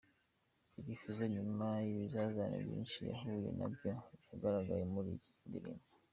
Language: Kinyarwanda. Big Fizzo nyuma y'ibizazane byinshi yahuye nabyo, yagaragaye muri iyi ndirimbo.